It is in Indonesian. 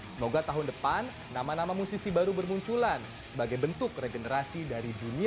semoga tahun depan nama nama musisi baru bermunculan sebagai bentuk regenerasi dari dunia